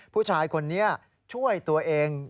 ผู้ชายคนนี้ช่วยตัวเอง